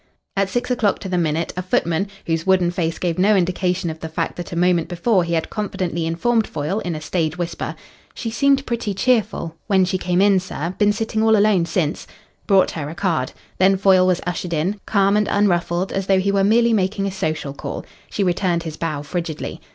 At six o'clock to the minute a footman whose wooden face gave no indication of the fact that a moment before he had confidently informed Foyle in a stage whisper, "She seemed pretty cheerful when she came in, sir been sitting all alone since" brought her a card. Then Foyle was ushered in calm and unruffled as though he were merely making a social call. She returned his bow frigidly.